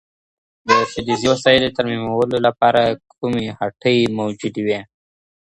د فلزي وسایلو ترمیمولو لپاره کومې هټۍ موجودي وي؟